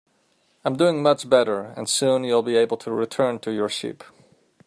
I'm doing much better, and soon you'll be able to return to your sheep.